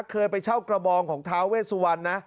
เคยไปเช่ากระบองของท้าเวสวรรณนะ